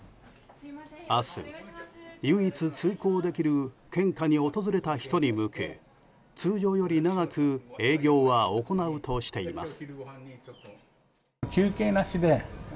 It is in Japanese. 明日、唯一通行できる献花に訪れた人に向け通常より長く営業は行うとしています。